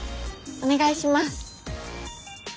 お願いします。